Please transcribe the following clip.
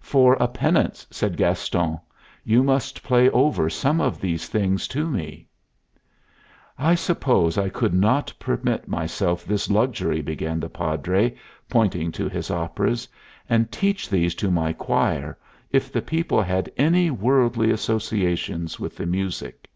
"For a penance," said Gaston, "you must play over some of these things to me." "I suppose I could not permit myself this luxury," began the Padre, pointing to his operas, "and teach these to my choir, if the people had any worldly associations with the music.